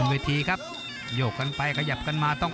เวทีครับโยกกันไปขยับกันมาต้อง